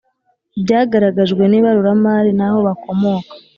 ibyagaragajwe n ibaruramari naho bakomoka